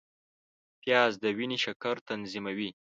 پیاز د وینې شکر تنظیموي